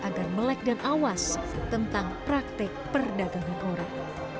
agar melek dan awas tentang praktek perdagangan orang